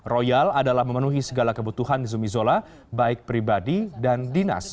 royal adalah memenuhi segala kebutuhan zumi zola baik pribadi dan dinas